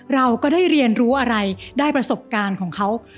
เราก็ได้เรียนรู้อะไรได้ประสบการณ์ของเขา